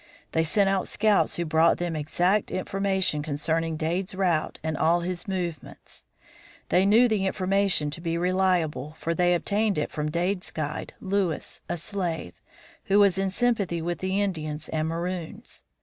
They sent out scouts who brought them exact information concerning Dade's route and all his movements. They knew the information to be reliable, for they obtained it from Dade's guide, Louis, a slave, who was in sympathy with the Indians and Maroons.